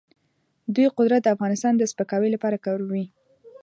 دوی قدرت د افغانستان د سپکاوي لپاره کاروي.